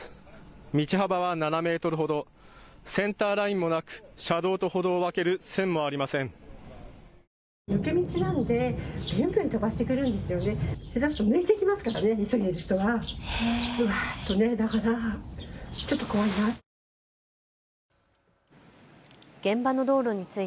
道幅は７メートルほど、センターラインもなく車道と歩道を分ける線もありません。